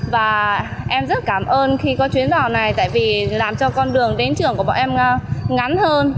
và em rất cảm ơn khi có chuyến đò này tại vì làm cho con đường đến trường của bọn em ngắn hơn